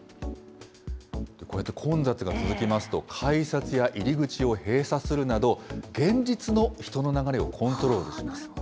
こうやって混雑が続きますと、改札や入り口を閉鎖するなど、現実の人の流れをコントロールします。